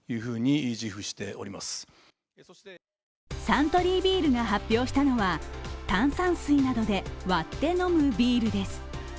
サントリービールが発表したのは炭酸水などで割って飲むビールです。